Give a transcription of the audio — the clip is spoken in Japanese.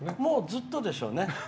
ずっとでしょうね。